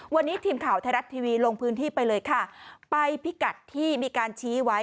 วันนี้ทีมข่าวไทยรัฐทีวีลงพื้นที่ไปเลยค่ะไปพิกัดที่มีการชี้ไว้